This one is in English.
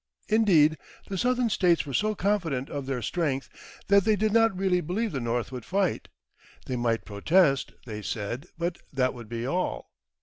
Indeed, the Southern States were so confident of their strength, that they did not really believe the North would fight; they might protest, they said, but that would be all.